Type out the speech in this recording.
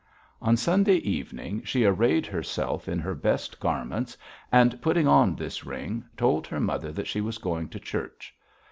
On Sunday evening she arrayed herself in her best garments, and putting on this ring, told her mother that she was going to church.